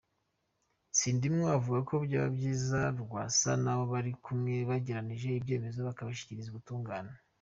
Sindimwo avuga ko vyoba vyiza Rwasa n'abo bari kumwe begeranije ivyemeza bakabishikiriza ubutungane.